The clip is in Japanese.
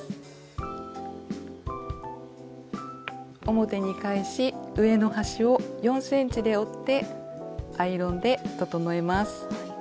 表に返し上の端を４ｃｍで折ってアイロンで整えます。